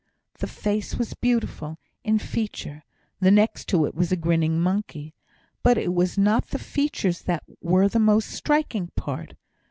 The face was beautiful in feature (the next to it was a grinning monkey), but it was not the features that were the most striking part.